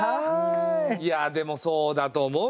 いやでもそうだと思うよ。